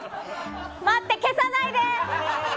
待って、消さないで！